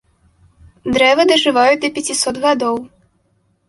Дрэвы дажываюць да пяцісот гадоў.